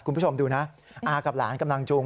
คุณผู้ชมดูนะอากับหลานกำลังจูง